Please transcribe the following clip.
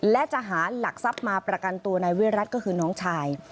และจะหาหลักทรัพย์มาประกันตัวนายวิรัติก็คือน้องชาย